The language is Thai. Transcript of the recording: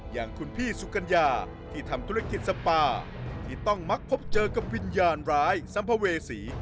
อย่างคุณพี่สุกัญญาที่ทำธุรกิจสปาที่ต้องมักพบเจอกับวิญญาณร้ายสัมภเวษี